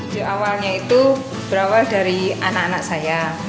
ide awalnya itu berawal dari anak anak saya